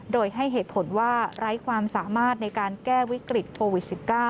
โดยให้เหตุผลว่าไร้ความสามารถในการแก้วิกฤตโควิด๑๙